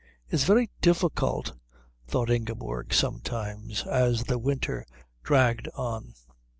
"It's very difficult," thought Ingeborg sometimes, as the winter dragged on.